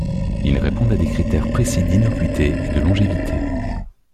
Ils répondent à des critères précis d'innocuité et de longévité.